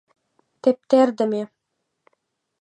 Тептердыме!